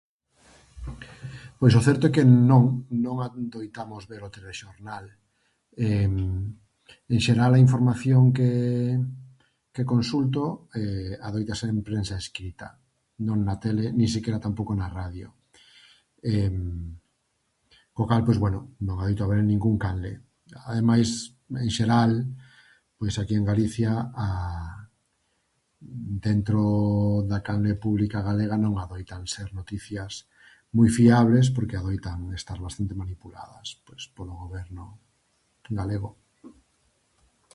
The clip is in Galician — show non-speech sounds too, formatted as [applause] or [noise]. Pois o certo é que non, non adoitamos ver o telexornal, [hesitation] en xeral a información que que consulto [hesitation] adoita ser en prensa escrita, non na tele nin sequera tampouco na radio, [hesitation] co cal, pois bueno, non adoito ver en ningún canle. Ademais, en xeral, pois aquí en Galicia a, dentro da canle pública galega non adoitan ser noticias mui fiables porque adoitan estar bastante manipuladas, pois polo goberno galego.